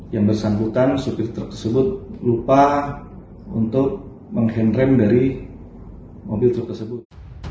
yang bersangkutan supir truk tersebut lupa untuk menghendram dari mobil truk tersebut